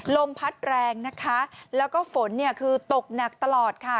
ลมพัดแรงนะคะแล้วก็ฝนเนี่ยคือตกหนักตลอดค่ะ